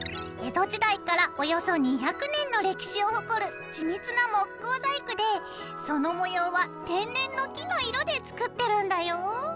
江戸時代からおよそ２００年の歴史を誇る緻密な木工細工でその模様は天然の木の色で作ってるんだよ！